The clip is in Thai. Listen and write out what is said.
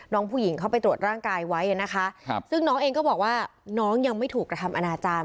น้องผู้หญิงเข้าไปตรวจร่างกายไว้นะคะซึ่งน้องเองก็บอกว่าน้องยังไม่ถูกกระทำอนาจารย์